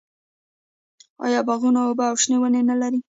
آیا باغونه اوبه او شنه ونې نلري؟